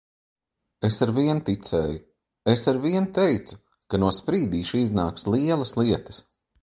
Es arvien ticēju! Es arvien teicu, ka no Sprīdīša iznāks lielas lietas.